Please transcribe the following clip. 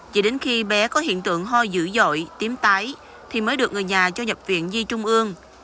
chỉ đến khi bé có hiện tượng ho dữ dội tím tái thì mới được người nhà cho nhập viện di trung ương